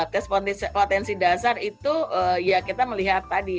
kespotensi dasar itu ya kita melihat tadi